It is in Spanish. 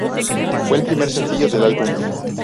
Fue el primer sencillo del álbum.